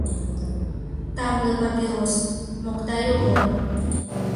— Тамле папирос, — мокта Йогор.